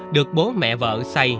được bố mẹ vợ xây